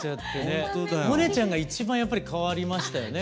萌音ちゃんが一番やっぱり変わりましたよね。